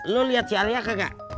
lo liat si alia kagak